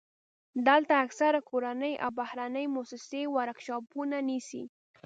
دلته اکثره کورنۍ او بهرنۍ موسسې ورکشاپونه نیسي.